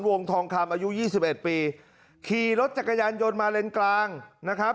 วงทองคำอายุยี่สิบเอ็ดปีขี่รถจักรยานยนต์มาเลนกลางนะครับ